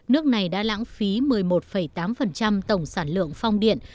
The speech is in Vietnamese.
nước này đã lãng phí một mươi một tám tổng sản lượng phong điện